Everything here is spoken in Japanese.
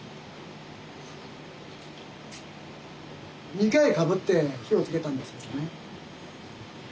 ２回かぶって火をつけたんですけどもね。